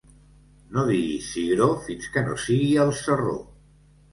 No diguis cigró fins que no sigui al sarró.